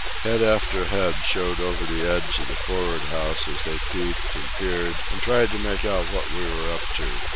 Head after head showed over the edge of the for'ard house as they peeped and peered and tried to make out what we were up to.